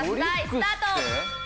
スタート！